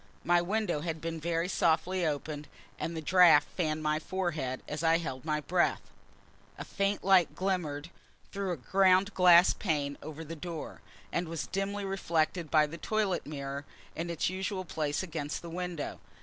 My window had been very softly opened, and the draught fanned my forehead as I held my breath. A faint light glimmered through a ground glass pane over the door; and was dimly reflected by the toilet mirror, in its usual place against the window.